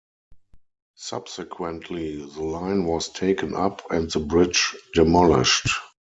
Subsequently, the line was taken up and the bridge demolished.